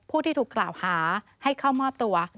ผู้ที่ถูกกล่าวหาให้เข้ามอบตัว